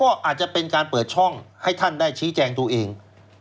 ก็อาจจะเป็นการเปิดช่องให้ท่านได้ชี้แจงตัวเอง